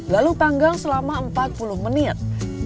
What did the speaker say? lalu panggang selama empat puluh menit